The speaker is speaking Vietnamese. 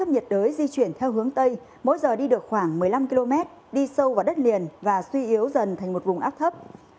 giới di chuyển theo hướng tây mỗi giờ đi được khoảng một mươi năm km đi sâu vào đất liền và suy yếu dần thành một vùng áp thấp